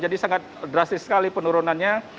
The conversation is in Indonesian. jadi sangat drastis sekali penurunannya